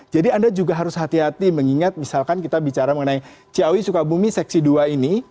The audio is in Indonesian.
anda juga harus hati hati mengingat misalkan kita bicara mengenai ciawi sukabumi seksi dua ini